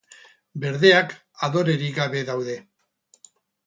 Berdeak adorerik gabe daude.